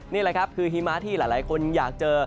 นี่แหละครับคือหิมะที่หลายคนอยากเจอ